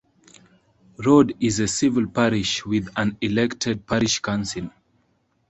Rowde is a civil parish with an elected parish council.